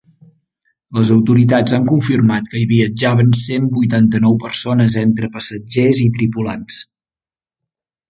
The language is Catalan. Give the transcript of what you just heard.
Les autoritats han confirmat que hi viatjaven cent vuitanta-nou persones entre passatgers i tripulants.